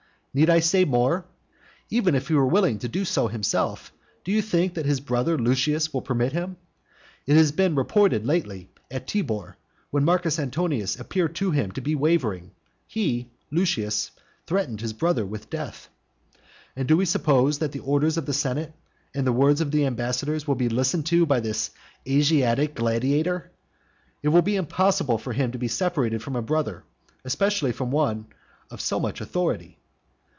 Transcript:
Need I say more? Even if he were willing to do so himself, do you think that his brother Lucius would permit him? It has been reported that lately at Tibur, when Marcus Antonius appeared to him to be wavering, he, Lucius, threatened his brother with death. And do we suppose that the orders of the senate, and the words of the ambassadors, will be listened to by this Asiatic gladiator? It will be impossible for him to be separated from a brother, especially from one of so much authority.